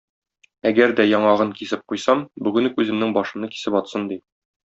Әгәр дә яңагын кисеп куйсам, бүген үк үземнең башымны кисеп атсын,- ди.